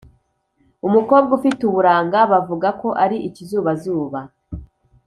umukobwa ufite uburanga bavuga ko ari ikizubazuba